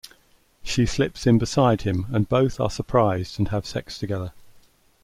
She slips in beside him and both are surprised and have sex together.